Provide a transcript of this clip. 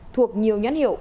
thuộc nhiều nhãn hiệu